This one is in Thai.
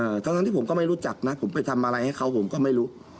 ทั้งที่ผมก็ไม่รู้จักนะผมไปทำอะไรให้เขาผมก็ไม่รู้